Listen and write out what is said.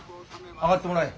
上がってもらい。